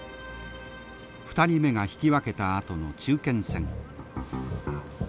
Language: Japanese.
２人目が引き分けたあとの中堅戦。